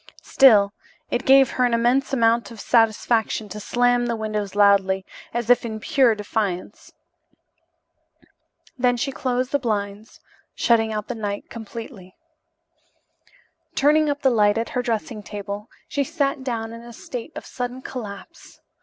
Still, it gave her an immense amount of satisfaction to slam the windows loudly, as if in pure defiance. Then she closed the blinds, shutting out the night completely. Turning up the light at her dressing table, she sat down in a state of sudden collapse.